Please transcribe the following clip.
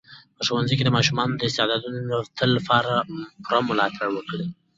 په ښوونځي کې د ماشومانو د استعدادونو تل پوره ملاتړ وکړئ.